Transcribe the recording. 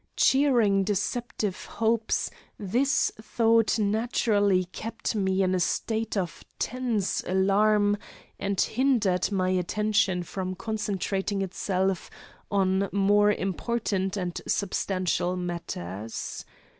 Cherishing deceptive hopes, this thought naturally kept me in a state of tense alarm and hindered my attention from concentrating itself on more important and substantial matters.